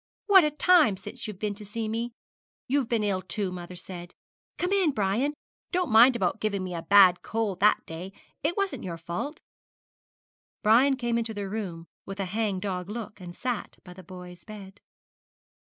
'What a time since you're been to see me! You've been ill, too, mother said. Come in, Brian. Don't mind about giving me a bad cold that day. It wasn't your fault.' Brian came into the room with a hang dog look, and sat by the boy's bed.